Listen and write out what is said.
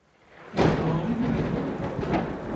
น้อยมาก